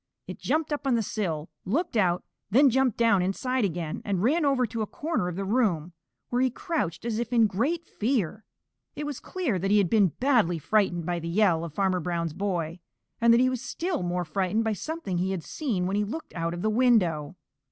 It jumped up on the sill, looked out, then jumped down inside again, and ran over to a corner of the room, where he crouched as if in great fear. It was clear that he had been badly frightened by the yell of Farmer Brown's boy, and that he was still more frightened by something he had seen when he looked out of the window.